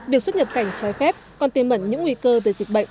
việc xuất nhập cảnh trái phép còn tiêm ẩn những nguy cơ về dịch bệnh